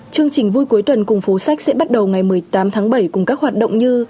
chương trình vui cuối tuần cùng phố sách sẽ bắt đầu ngày một mươi tám tháng bảy cùng các hoạt động như